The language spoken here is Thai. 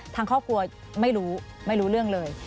ทางครอบครัวไม่รู้ไม่รู้เรื่องเลย